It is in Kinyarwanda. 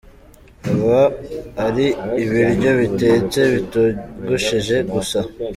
Aba ari ibiryo bitetse bitogosheje gusa.